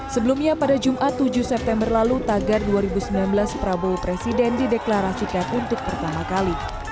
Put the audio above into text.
sebelumnya pada jumat tujuh september lalu tagar dua ribu sembilan belas prabowo presiden dideklarasikan untuk pertama kali